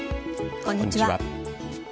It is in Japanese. こんにちは。